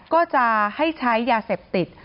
ก็จะให้ใช้ยาเสพติด